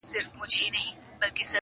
ډیک په هر ځنګله کي ښاخ پر ښاخ کړېږي.!